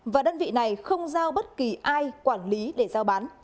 và đơn vị này không giao bất kỳ ai quản lý để giao bán